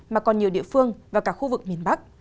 mà còn nhiều địa phương và cả khu vực miền bắc